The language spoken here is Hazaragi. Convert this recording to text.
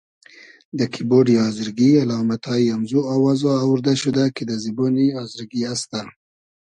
دۂ کیبۉرۮی آزرگی الامئتای امزو آوازا اووردۂ شودۂ کی دۂ زیبۉنی آزرگی است.